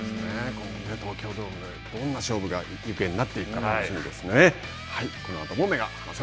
東京ドームでどんな勝負の行方になっていくか楽しみですね。